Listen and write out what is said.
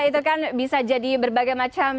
itu kan bisa jadi berbagai macam